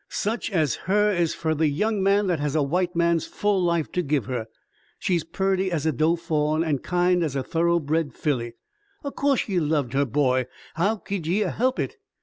"Such as her is fer the young man that has a white man's full life to give her. She's purty as a doe fawn an' kind as a thoroughbred filly. In course ye loved her, boy. How could ye a help hit?